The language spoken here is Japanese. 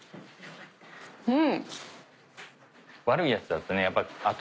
うん！